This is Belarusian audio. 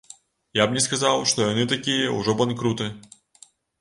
Я б не сказаў, што яны такія ўжо банкруты.